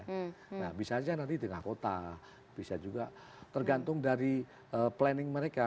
nah bisa saja nanti di tengah kota bisa juga tergantung dari planning mereka